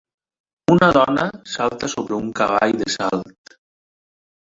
Una dona salta sobre un cavall de salt.